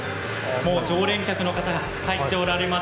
常連客の方が入っておられます。